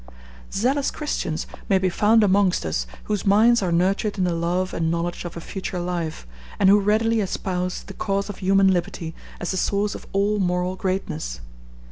Zealous Christians may be found amongst us whose minds are nurtured in the love and knowledge of a future life, and who readily espouse the cause of human liberty as the source of all moral greatness.